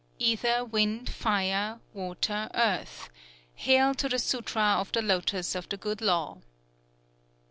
_Ether, Wind, Fire, Water, Earth! Hail to the Sutra of the Lotos of the Good Law!